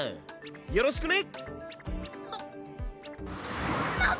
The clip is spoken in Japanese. よろしくね！